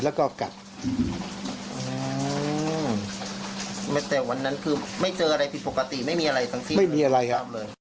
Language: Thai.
ไม่มีอะไรค่ะ